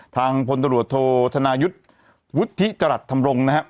พลตรวจโทษธนายุทธ์วุฒิจรัสธรรมรงค์นะครับ